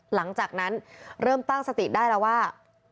หลังจากนั้นเริ่มตั้งสติได้แล้วว่า